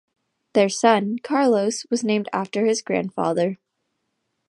Their son, Carlos, was named after his grandfather.